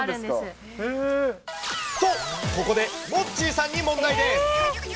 と、ここでモッチーさんに問題です。